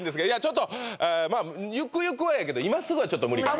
ちょっとまあゆくゆくはええけど今すぐはちょっと無理かな